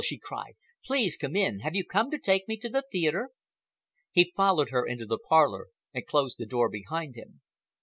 she cried. "Please come in. Have you come to take me to the theatre?" He followed her into the parlor and closed the door behind them.